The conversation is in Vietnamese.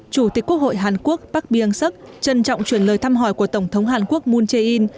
chủ tịch quốc hội hàn quốc park byung suk trân trọng chuyển lời thăm hỏi của tổng thống hàn quốc moon jae in